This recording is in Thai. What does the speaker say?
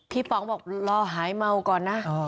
ป๋องบอกรอหายเมาก่อนนะ